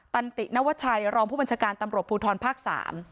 ตันตินวชัยรองผู้บัญชาการตำรวจภูทรภาค๓